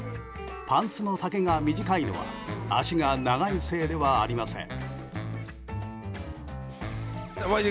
パンツの丈が短いのは足が長いせいではありません。